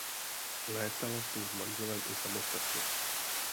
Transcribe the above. Létala spolu s manželem i samostatně.